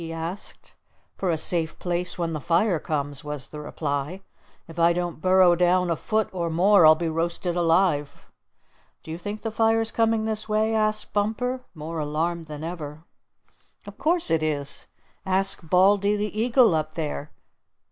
he asked. "For a safe place when the fire comes," was the reply. "If I don't burrow down a foot or more I'll be roasted alive." "Do you think the fire's coming this way?" asked Bumper more alarmed than ever. "Of course it is! Ask Baldy the Eagle up there!